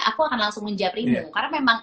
aku akan langsung ngejap ribu karena memang